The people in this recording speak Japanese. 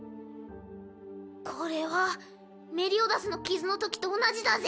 これはメリオダスの傷のときと同じだぜ。